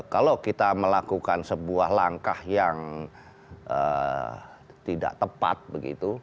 kalau kita melakukan sebuah langkah yang tidak tepat begitu